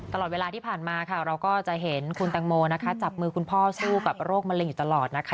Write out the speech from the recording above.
ตลอดเวลาที่ผ่านมาค่ะเราก็จะเห็นคุณตังโมนะคะจับมือคุณพ่อสู้กับโรคมะเร็งอยู่ตลอดนะคะ